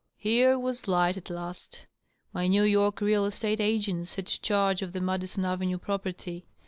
Here was light at last. My New York real estate agents had charge of the Madison Avenue property.